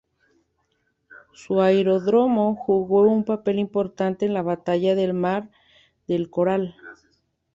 Su aeródromo jugó un papel importante en la batalla del mar del Coral.